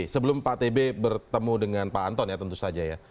sebelum pak tb bertemu dengan pak anton ya tentu saja ya